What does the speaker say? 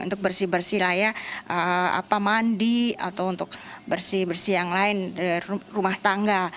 untuk bersih bersih layak mandi atau untuk bersih bersih yang lain rumah tangga